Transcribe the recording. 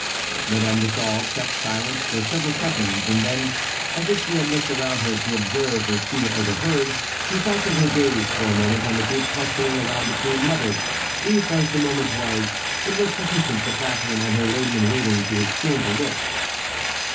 Madame de Sauve kept silence for several seconds, and then, as if she had looked around her to observe if she were overheard, she fastened her gaze for a moment on the group clustering around the queen mother; brief as the moment was, it was sufficient for Catharine and her lady in waiting to exchange a look.